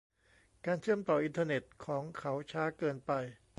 การเชื่อมต่ออินเทอร์เน็ตของเขาช้าเกินไป